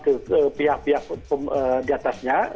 ke pihak pihak diatasnya